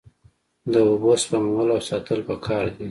د اوبو سپمول او ساتل پکار دي.